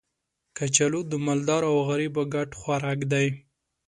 کچالو د مالدارو او غریبو ګډ خوراک دی